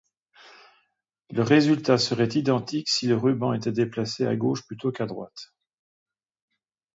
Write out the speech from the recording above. Le résultat serait identique si le ruban était déplacé à gauche plutôt qu'à droite.